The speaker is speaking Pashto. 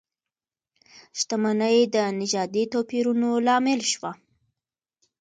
شتمنۍ د نژادي توپیرونو لامل شوه.